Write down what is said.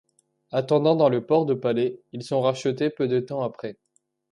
Attendant dans le port de Palais, ils sont rachetés peu de temps après.